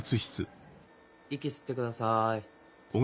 息吸ってください。